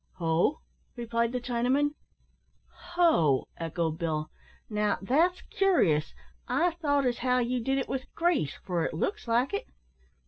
"Ho!" replied the Chinaman. "Ho!" echoed Bill; "now, that's curious. I thought as how you did it with grease, for it looks like it.